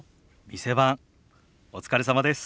店番お疲れさまです。